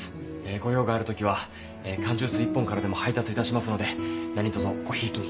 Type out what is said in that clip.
ご用がある時は缶ジュース１本からでも配達いたしますので何とぞごひいきに。